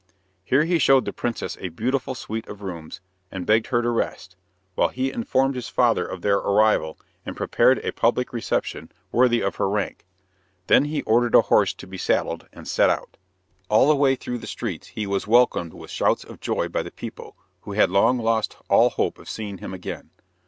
Here he showed the princess a beautiful suite of rooms, and begged her to rest, while he informed his father of their arrival, and prepared a public reception worthy of her rank. Then he ordered a horse to be saddled, and set out. All the way through the streets he was welcomed with shouts of joy by the people, who had long lost all hope of seeing him again.